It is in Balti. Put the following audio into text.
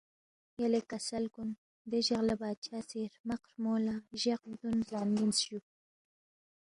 یلے کسل کُن دے جق لہ بادشاہ سی ہرمق ہرمُو لہ جق بدُون زان مِنس جُو